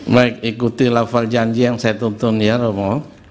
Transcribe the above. baik ikuti lafar janji yang saya tuntun ya romo